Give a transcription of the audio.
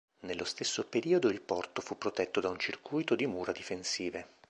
Nello stesso periodo il porto fu protetto da un circuito di mura difensive.